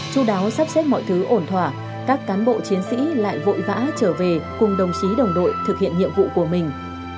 chú đáo sắp xếp mọi thứ ổn thỏa các cán bộ chiến sĩ lại vội vã trở về cùng đồng chí đồng đội thực hiện nhiệm vụ của mình